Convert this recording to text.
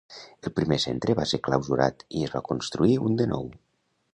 El primer centre va ser clausurat i es va construir un de nou.